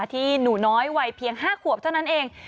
ที่หนูน้อยวัยเพียง๕ขวบเท่านั้นเอง